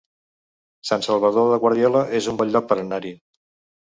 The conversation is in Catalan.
Sant Salvador de Guardiola es un bon lloc per anar-hi